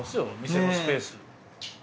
店のスペース。